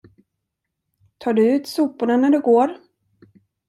Tar du ut soporna när du går?